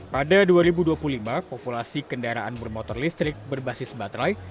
pada dua ribu dua puluh lima populasi kendaraan bermotor listrik berbasis baterai